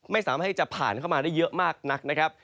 ไม่สามารถให้จะผ่านเข้ามาได้เยอะมากนักนะครับ